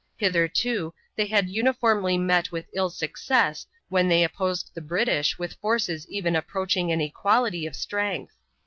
Hitherto they had uniformly met with ill success when they opposed the British with forces even approaching an equality of strength.